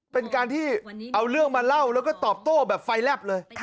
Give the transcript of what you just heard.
เป็นการที่เอาเรื่องมาเล่าแล้วก็ตอบโต้แบบไฟแลบเลย